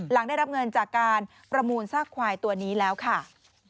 หลังได้รับเงินจากการประมูลซากควายตัวนี้แล้วค่ะ